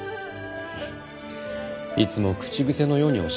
いつも口癖のようにおっしゃっていました。